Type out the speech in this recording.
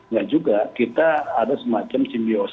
ya juga kita ada semacam simbiosi